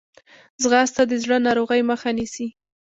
ځغاسته د زړه ناروغۍ مخه نیسي